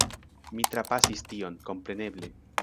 Mi trapasis tion, kompreneble.